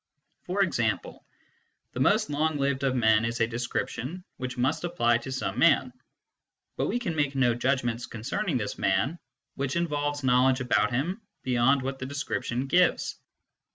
For example, " the most long lived of men is a description which must apply to some man, but we can make no judgments concerning this man which involve knowledge about him beyond what the description gives.